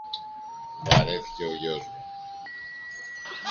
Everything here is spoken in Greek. Βαρέθηκε ο γιος μου